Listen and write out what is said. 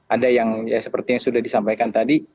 ada yang seperti yang sudah disampaikan tadi